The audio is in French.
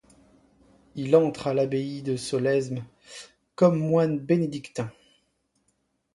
Il entre à l'abbaye de Solesmes comme moine bénédictin.